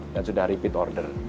dan sudah repeat order